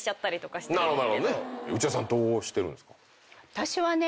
私はね